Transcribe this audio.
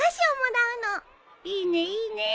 いいねいいね。